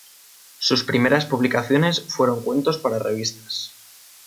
Sus primeras publicaciones fueron cuentos para revistas.